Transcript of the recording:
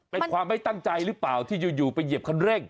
เป็นความไม่ตั้งใจหรือเปล่าที่อยู่ไปเหยียบคันเร่ง